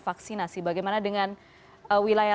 vaksinasi bagaimana dengan wilayah